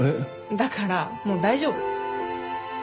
だからもう大丈夫。